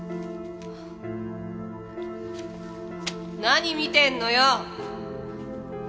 何見てんのよ！